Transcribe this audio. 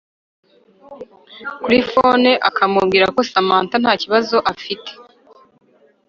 kuri phone akamubwira ko Samantha ntakibazo afite